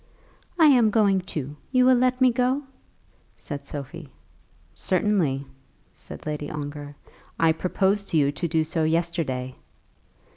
"I am going too. You will let me go?" said Sophie. "Certainly," said Lady Ongar. "I proposed to you to do so yesterday."